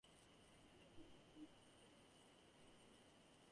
Many alumni are now prominent people in Kenya and the world.